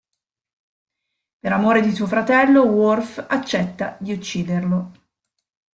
Per amore di suo fratello, Worf accetta di ucciderlo.